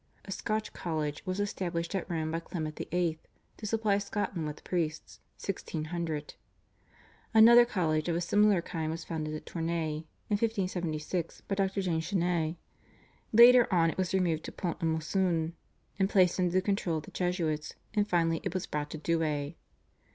A Scotch college was established at Rome by Clement VIII. to supply Scotland with priests (1600). Another college of a similar kind was founded at Tournai in 1576 by Dr. James Cheyne. Later on it was removed to Pont à Mousson and placed under the control of the Jesuits, and finally it was brought to Douay.